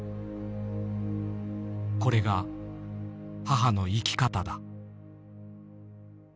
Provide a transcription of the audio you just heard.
「これが母の生き方だ」。